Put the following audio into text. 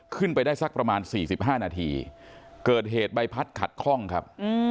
ขึ้นไปได้สักประมาณ๔๕นาทีเกิดเหตุใบพัดขัดคล่องครับ